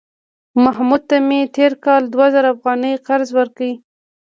محمود ته مې تېر کال دوه زره افغانۍ قرض ورکړ